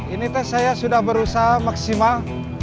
ini teh saya sudah berusaha maksimal